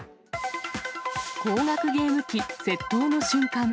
高額ゲーム機窃盗の瞬間。